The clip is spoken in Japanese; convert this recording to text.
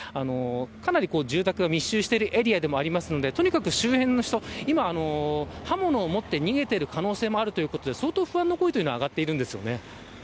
かなり住宅が密集しているエリアなのでとにかく周辺の人刃物を持って逃げている可能性もあるということで相当不安の声が上がっています。